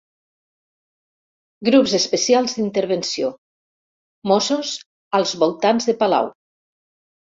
Grups Especials d'Intervenció Mossos als voltants de Palau.